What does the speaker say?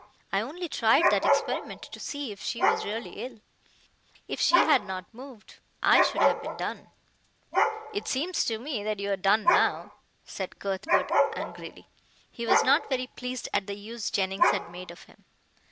I only tried that experiment to see if she was really ill. If she had not moved I should have been done." "It seems to me that you are done now," said Cuthbert angrily. He was not very pleased at the use Jennings had made of him.